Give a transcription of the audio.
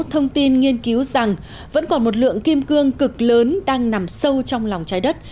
thông tin nghiên cứu rằng vẫn còn một lượng kim cương cực lớn đang nằm sâu trong lòng trái đất